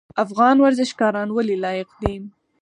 افغان ورزشکاران ولې لایق دي؟